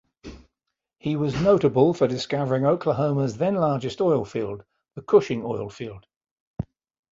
He was notable for discovering Oklahoma's then-largest oil field, the Cushing Oil Field.